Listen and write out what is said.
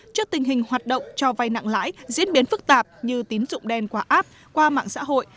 trước tình hình hoạt động cho vay nặng lãi diễn biến phức tạp như tín dụng đen quả áp qua mạng xã hội